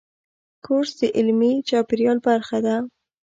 کورس د علمي چاپېریال برخه ده.